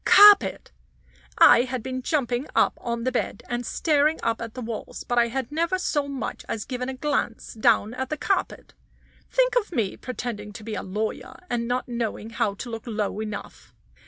Carpet! I had been jumping up on the bed, and staring up at the walls, but I had never so much as given a glance down at the carpet. Think of me pretending to be a lawyer, and not knowing how to look low enough!